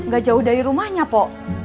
gak jauh dari rumahnya po